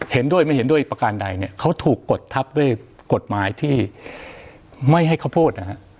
เห็นด้วยไม่เห็นด้วยประการใดเนี่ยเขาถูกกดทับด้วยกฎหมายที่ไม่ให้เขาพูดนะฮะ